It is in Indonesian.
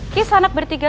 kisah anak bertiga